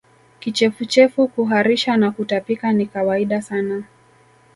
Kichefuchefu kuharisha na kutapika ni kawaida sana